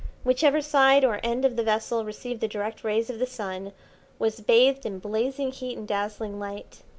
Whichever side or end of the vessel received the direct rays of the sun, was bathed in blazing heat and dazzling light.